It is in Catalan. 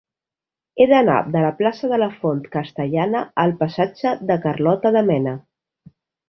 He d'anar de la plaça de la Font Castellana al passatge de Carlota de Mena.